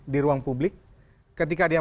di ruang publik ketika dia